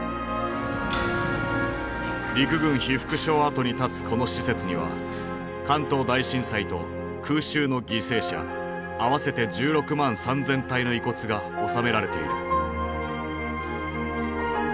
陸軍被服廠跡に立つこの施設には関東大震災と空襲の犠牲者合わせて１６万３，０００体の遺骨が納められている。